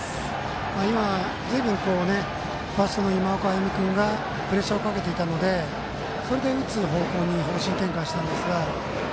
今、ずいぶんファーストの今岡歩夢君がプレッシャーをかけていたのでそれで打つということに方針転換したんですが。